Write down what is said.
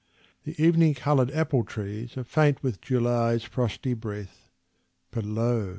The evening coloured apple trees Are faint with July's frosty breath. But lo!